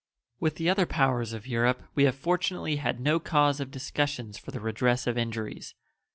With the other powers of Europe we have fortunately had no cause of discussions for the redress of injuries.